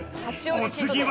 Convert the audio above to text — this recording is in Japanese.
お次は。